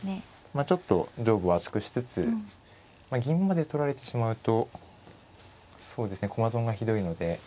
ちょっと上部を厚くしつつまあ銀まで取られてしまうとそうですね駒損がひどいので。